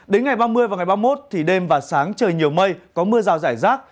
đến ngày ba mươi và ngày ba mươi một thì đêm và sáng trời nhiều mây có mưa rào rải rác